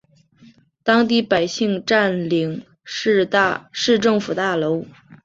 当地百姓占领市政府大楼。